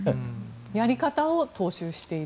やり方を踏襲している。